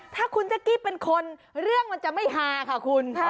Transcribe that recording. ถ้าคุณแจ๊กกี้เป็นคนเรื่องมันจะไม่ฮาค่ะคุณ